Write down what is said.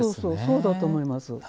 そうだと思います。